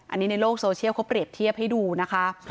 อันนี้ในโลกโซเชียลเขาเปรียบเทียบให้ดูนะคะ